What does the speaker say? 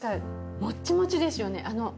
もっちもちですよね